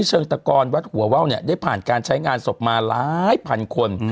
เชิงตะกรวัดหัวว่าวเนี่ยได้ผ่านการใช้งานศพมาหลายพันคน